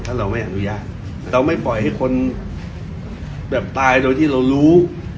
ถ้าเราไม่อนุญาตเราไม่ปล่อยให้คนแบบตายโดยที่เรารู้